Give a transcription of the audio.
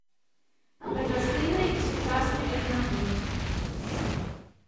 Гэта стыльны і сучасны этна-гурт.